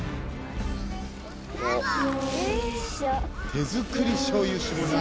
「手作りしょうゆ搾り機」。